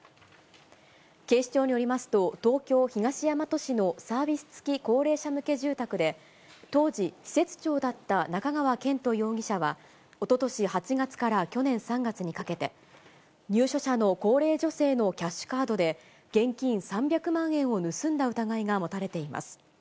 警視庁によりますと、東京・東大和市のサービス付き高齢者向け住宅で、当時、施設長だった中川健斗容疑者は、おととし８月から去年３月にかけて、入所者の高齢女性のキャッシュカードで、現金３００万円を盗んだ疑いが持たれています。